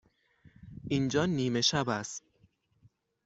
اینجا نیمه شب است.